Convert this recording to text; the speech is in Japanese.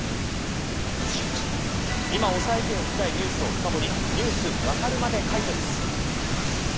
今、押さえておきたいニュースを深掘りＮｅｗｓわかるまで解説。